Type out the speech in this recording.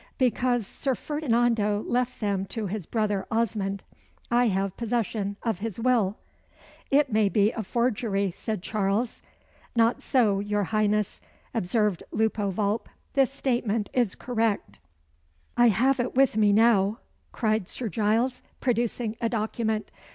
"Because Sir Ferdinando left them to his brother Osmond. I have possession of his will." "It may be a forgery," said Charles. "Not so, your Highness," observed Lupo Vulp. "This statement is correct." "I have it with me now," cried Sir Giles, producing a document.